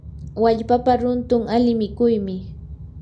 wallpapa runtun ali mikuymi.